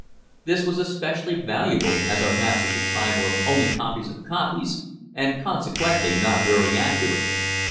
This was especially valuable as our maps at that time were only copies of copies, and consequently not very accurate.